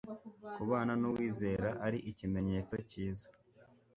kubana n'uwizera, ari ikimenyetso cyiza